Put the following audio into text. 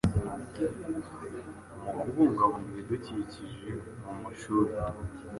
mu kubungabunga ibidukikije mumashuri